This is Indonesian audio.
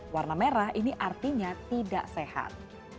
warna merah ini artinya tidak sehat